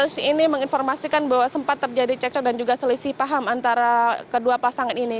ini menginformasikan bahwa sempat terjadi cekcok dan juga selisih paham antara kedua pasangan ini